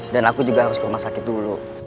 dan aku juga harus ke rumah sakit dulu